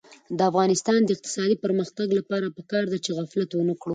د افغانستان د اقتصادي پرمختګ لپاره پکار ده چې غفلت ونکړو.